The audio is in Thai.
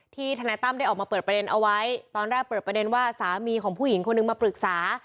ทนายตั้มได้ออกมาเปิดประเด็นเอาไว้ตอนแรกเปิดประเด็นว่าสามีของผู้หญิงคนนึงมาปรึกษา